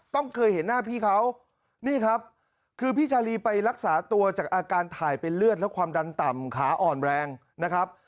เคยเห็นหน้าพี่เขานี่ครับคือพี่ชาลีไปรักษาตัวจากอาการถ่ายเป็นเลือดและความดันต่ำขาอ่อนแรงนะครับ